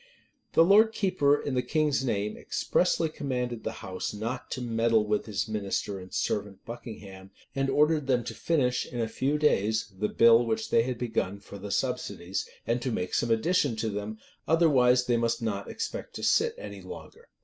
[] The lord keeper, in the king's name, expressly commanded the house not to meddle with his minister and servant, Buckingham; and ordered them to finish, in a few days, the bill which they had begun for the subsidies, and to make some addition to them; otherwise they must not expect to sit any longer.